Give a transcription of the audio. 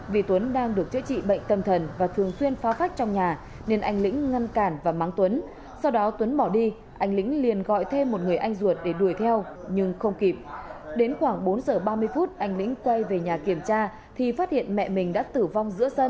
với nhóm lao động